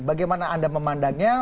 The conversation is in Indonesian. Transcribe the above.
bagaimana anda memandangnya